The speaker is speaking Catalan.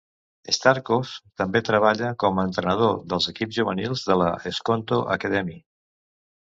Starkovs també treballa com a entrenador dels equips juvenils de la Skonto Academy.